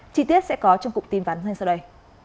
chi tiết sẽ có trong cục tin phán xin sau đây